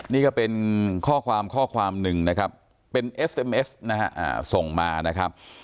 นี่ก็เป็นข้อความข้อความหนึ่งนะครับเป็นเอสเอ็มเอสนะฮะส่งมานะครับ